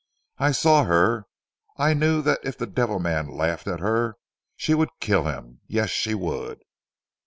I saw her. I knew that if the devil man laughed at her she would kill him. Yes. She would."